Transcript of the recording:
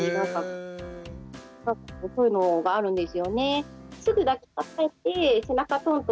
そういうのがあるんですよね。